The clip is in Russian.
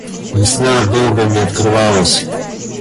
Весна долго не открывалась.